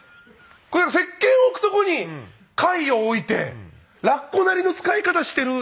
せっけん置く所に貝を置いてラッコなりの使い方してる。